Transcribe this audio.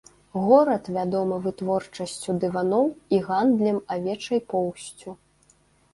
Горад вядомы вытворчасцю дываноў і гандлем авечай поўсцю.